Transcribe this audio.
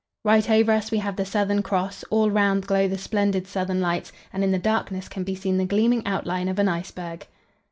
... Right over us we have the Southern Cross, all round glow the splendid southern lights, and in the darkness can be seen the gleaming outline of an iceberg.